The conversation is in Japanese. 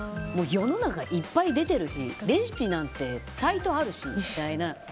世の中いっぱい出てるしレシピなんてサイトあるしみたいな。